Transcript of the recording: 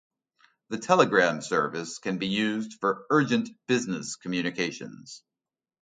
The telegram service can be used for urgent business communications.